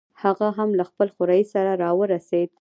هغه هم له خپل خوریي سره راورسېد.